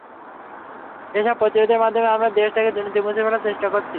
এসব প্রতিরোধের মাধ্যমে আমরা দেশ থেকে দুর্নীতি মুছে ফেলার চেষ্টা করছি।